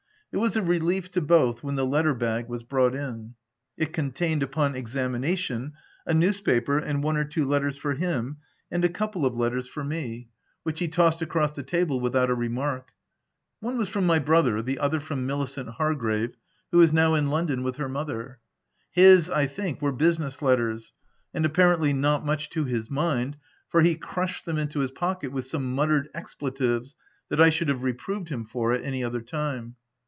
It was a relief to both when the letter bag was brought in. It contained, upon examination, a newspaper and one or two letters for him, and a couple of letters for me, 86 THE TENANT which he tossed across the table without a re mark. One was from my brother, the other from Milicent Hargrave, who is now in London with her mother. His, I think, were business letters, and apparently not much to his mind, for he crushed them into his pocket with some muttered expletives, that I should have re proved him for at any other time.